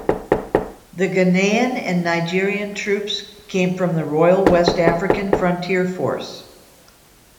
The Ghanaian and Nigerian troops came from the Royal West African Frontier Force.